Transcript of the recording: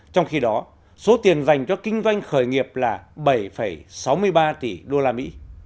trong khi đó số tiền dành cho kinh doanh khởi nghiệp là bảy sáu mươi ba tỷ usd